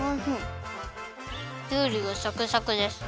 きゅうりがシャキシャキです。